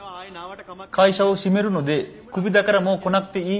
会社を閉めるのでクビだからもう来なくていい。